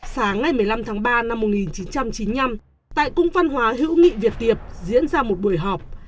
sáng ngày một mươi năm tháng ba năm một nghìn chín trăm chín mươi năm tại cung văn hóa hữu nghị việt tiệp diễn ra một buổi họp